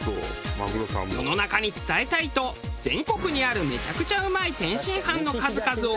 世の中に伝えたいと全国にあるめちゃくちゃうまい天津飯の数々をリストアップ。